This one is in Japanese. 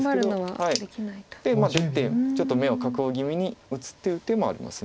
で出てちょっと眼を確保気味に打つという手もあります。